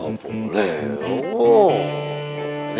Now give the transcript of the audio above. oh boleh oh